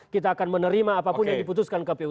kita akan menerima apapun yang diputuskan kpu